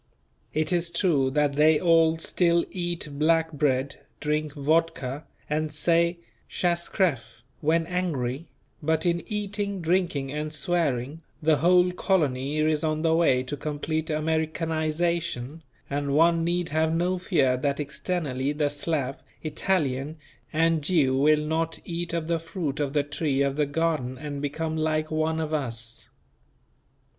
It is true that they all still eat black bread, drink vodka, and say: "Pshas creff" when angry; but in eating, drinking and swearing, the whole colony is on the way to complete Americanization, and one need have no fear that externally the Slav, Italian and Jew will not "eat of the fruit of the tree of the garden and become like one of us."